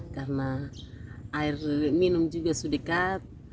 karena air minum juga sudah dekat